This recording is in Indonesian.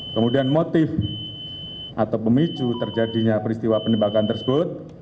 kemudian motif atau pemicu terjadinya peristiwa penembakan tersebut